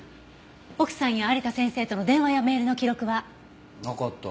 奥さんや有田先生との電話やメールの記録は？なかった。